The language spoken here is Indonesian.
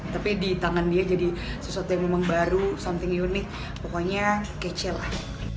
tapi di tangan dia jadi sesuatu yang memang baru something unik pokoknya kece lah